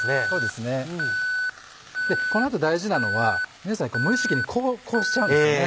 でこの後大事なのは皆さん無意識にこうしちゃうんですよね。